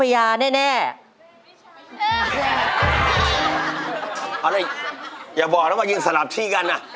อย่าบอกต้องว่ายิงสลับที่กันนะ